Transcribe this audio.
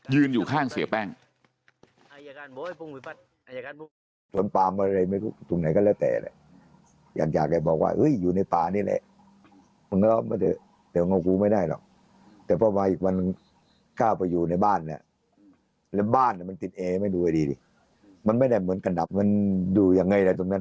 อยู่ข้างเสียแป้ง